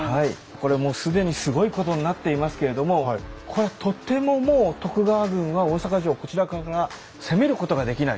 これもう既にすごいことになっていますけれどもこれはとてももう徳川軍は大坂城をこちらから攻めることができない。